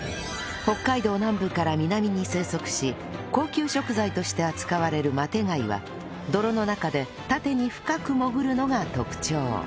北海道南部から南に生息し高級食材として扱われるマテガイは泥の中で縦に深く潜るのが特徴